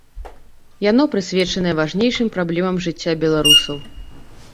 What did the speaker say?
Яно прысвечанае важнейшым праблемам жыцця беларусаў.